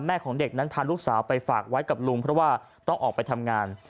ของเด็กนั้นพาลูกสาวไปฝากไว้กับลุงเพราะว่าต้องออกไปทำงาน